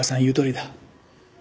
言うとおりだ。